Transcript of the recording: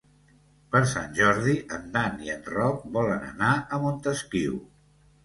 Per Sant Jordi en Dan i en Roc volen anar a Montesquiu.